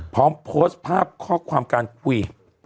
พร้อมโพสต์ภาพข้อความการคุย